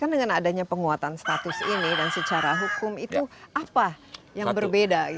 kan dengan adanya penguatan status ini dan secara hukum itu apa yang berbeda